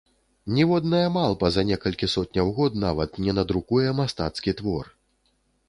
Ніводная малпа за некалькі сотняў год нават не надрукуе мастацкі твор.